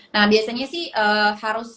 nah biasanya sih harus